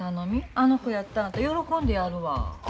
あの子やったら喜んでやるわ。